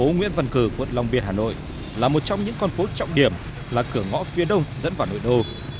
thành phố nguyễn văn cử quận long biên hà nội là một trong những con phố trọng điểm là cửa ngõ phía đông dẫn vào nội đô